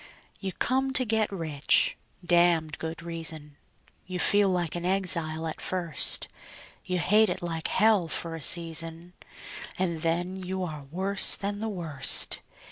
You come to get rich (damned good reason); You feel like an exile at first; You hate it like hell for a season, And then you are worse than the worst.